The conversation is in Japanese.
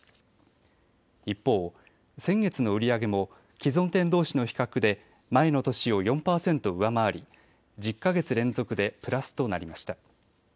一方、先月の売り上げも既存店どうしの比較で前の年を４％上回り１０か月連続でプラスとなりました。